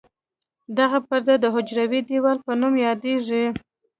دغه پرده د حجروي دیوال په نوم یادیږي.